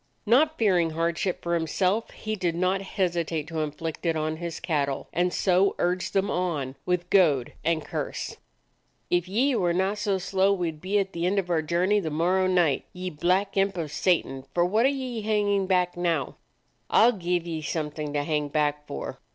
Not fearing hardship for himself, he did not hesitate to in flict it on his cattle, and so urged them on with goad and curse. 54 A DOG OF THE ETTRICK HILLS "If ye were na' so slow, we 'd be at the end of our journey the morrow night. Ye black imp of Satan, for what are ye hangin' back now? I 'll give ye something to hang back for!"